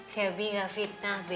shelby nggak fitnah be